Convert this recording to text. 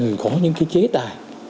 nếu có những cái chế tài